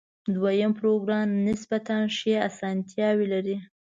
دویم پروګرام نسبتاً ښې آسانتیاوې لري.